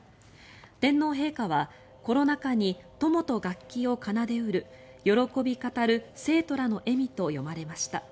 天皇陛下は「コロナ禍に友と楽器を奏でうる喜び語る生徒らの笑み」と詠まれました。